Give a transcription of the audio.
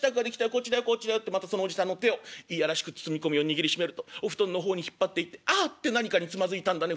こっちだよこっちだよ』ってまたそのおじさんの手を嫌らしく包み込むように握りしめるとお布団の方に引っ張っていって『ああ』って何かにつまずいたんだね